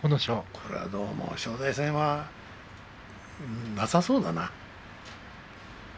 これはもう正代戦はなさそうだな。